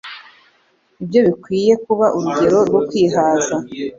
ni byo bikwiriye kuba urugero rwo kwihaza.